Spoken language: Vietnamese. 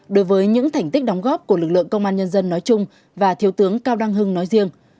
đối với những thành tích đóng góp của lực lượng công an nhân dân nói chung và thiếu tướng cao đăng hưng nói riêng